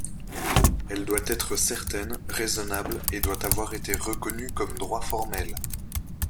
Elle doit être certaine, raisonnable, et doit avoir été reconnue comme droit formel.